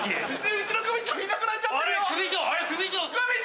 うちの組長、いなくなっちゃてるよ。